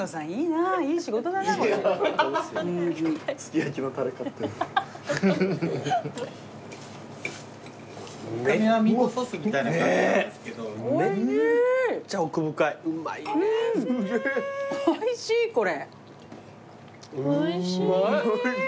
あぁおいしいこれ。